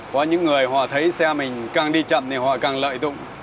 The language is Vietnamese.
có những người họ thấy xe mình càng đi chậm thì họ càng lợi dụng